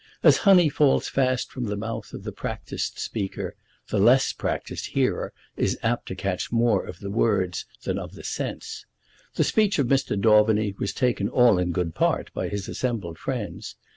As honey falls fast from the mouth of the practised speaker, the less practised hearer is apt to catch more of the words than of the sense. The speech of Mr. Daubeny was taken all in good part by his assembled friends.